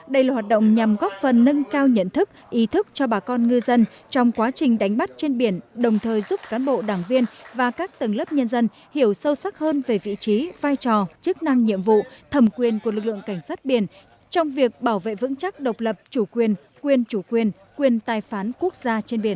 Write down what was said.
đây là hoạt động nhằm góp phần nâng cao nhận thức ý thức cho bà con ngư dân trong quá trình đánh bắt trên biển đồng thời giúp cán bộ đảng viên và các tầng lớp nhân dân hiểu sâu sắc hơn về vị trí vai trò chức năng nhiệm vụ thẩm quyền của lực lượng cảnh sát biển trong việc bảo vệ vững chắc độc lập chủ quyền quyền chủ quyền quyền tài phán quốc gia trên biển